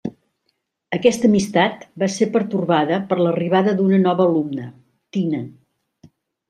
Aquesta amistat va ser pertorbada per l'arribada d'una nova alumna, Tina.